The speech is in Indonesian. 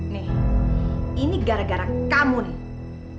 nih ini gara gara kamu nih